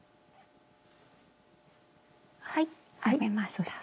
はい編めました。